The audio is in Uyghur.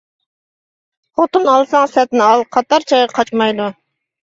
خوتۇن ئالساڭ سەتنى ئال، قاتار چايغا قاچمايدۇ.